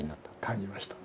感じました。